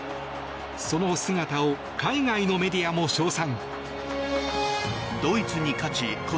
その姿を海外のメディアも称賛。